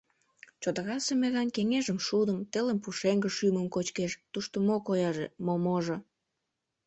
Чодырасе мераҥ кеҥежым шудым, телым пушеҥге шӱмым кочкеш — тушто мо кояже, мо-можо?